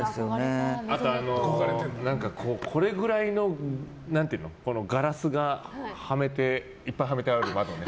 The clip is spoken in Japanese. あと、これくらいのガラスがいっぱいはめてある窓。